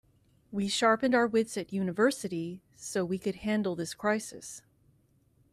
We sharpened our wits at university so we could handle this crisis.